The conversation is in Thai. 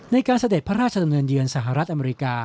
ในการเสด็จพระราชธรรมเนียนเยือนสหรัฐอเมริกา